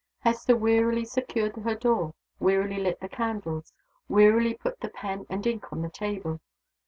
Hester wearily secured her door, wearily lit the candles, wearily put the pen and ink on the table.